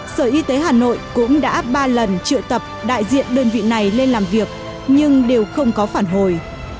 sở y tế hà nội cũng đã ba lần triệu tập đại diện đơn vị này lên làm việc nhưng đều không có phản hồi